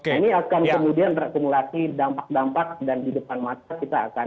ini akan kemudian reakumulasi dampak dampak dan di depan masa kita akan mencapai